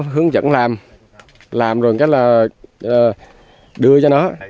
hướng dẫn làm làm rồi đưa cho nó